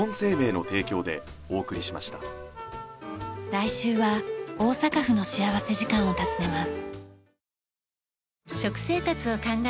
来週は大阪府の幸福時間を訪ねます。